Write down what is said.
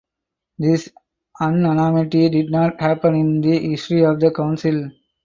This unanimity did not happen in the history of the council.